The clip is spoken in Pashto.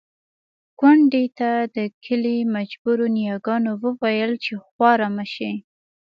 کونډې ته د کلي مجربو نياګانو وويل چې خواره مه شې.